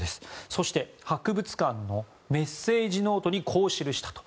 そして博物館のメッセージノートにこう記したと。